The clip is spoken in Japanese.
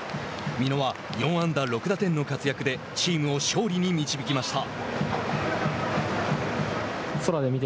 美濃は４安打６打点の活躍でチームを勝利に導きました。